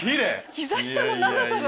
膝下の長さが。